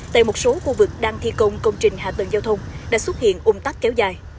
tại một số khu vực đang thi công công trình hạ tầng giao thông đã xuất hiện ung tắc kéo dài